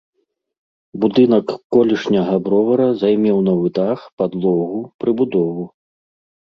Будынак колішняга бровара займеў новы дах, падлогу, прыбудову.